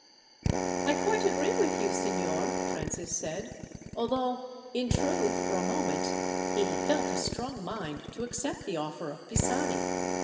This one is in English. "I quite agree with you, signor," Francis said, although, in truth, for a moment he had felt a strong mind to accept the offer of Pisani.